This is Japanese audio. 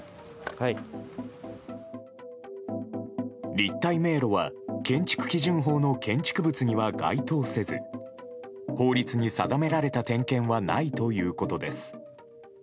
立体迷路は、建築基準法の建築物には該当せず法律に定められた点検はないということです。